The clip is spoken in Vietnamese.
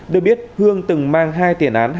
được biết hương từng mang hai tiền án